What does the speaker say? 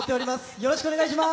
よろしくお願いします。